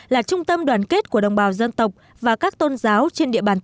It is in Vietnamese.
là trung tâm đoàn kết của đồng bào dân tộc